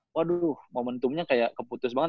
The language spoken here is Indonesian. waduh momentumnya kayak keputus banget